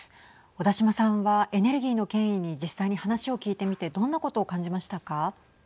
小田島さんはエネルギーの権威に実際に話を聞いてみてどんなことを感じましたか。